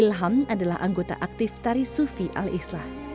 ilham adalah anggota aktif tari sufi al islah